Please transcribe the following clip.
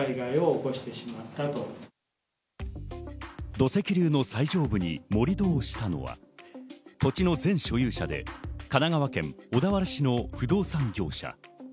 土石流の最上部に盛り土をしたのは土地の前所有者で神奈川県小田原市の不動産業者。